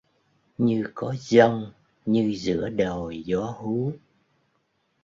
Như có giông như giữa đồi gió hú